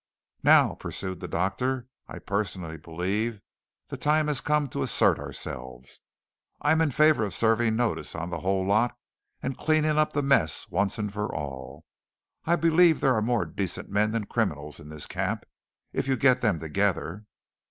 "Now," pursued the doctor, "I personally believe the time has come to assert ourselves. I'm in favour of serving notice on the whole lot, and cleaning up the mess once and for all. I believe there are more decent men than criminals in this camp, if you get them together."